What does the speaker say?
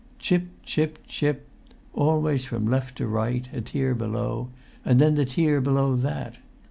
Chip, chip, chip, always from left to right, a tier below, and then the tier below that.